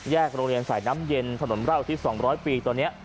แยกโรงเรียนสายน้ำเย็นถนร่าวที่สองร้อยปีตอนเนี้ย